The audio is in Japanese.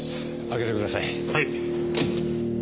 開けてください。